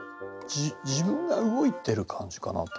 自分が動いてる感じかなと。